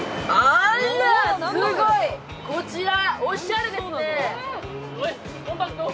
あら、すごい！こちらおしゃれですね。